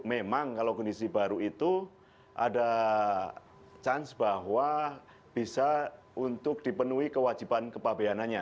memang kalau kondisi baru itu ada chance bahwa bisa untuk dipenuhi kewajiban kepabeananya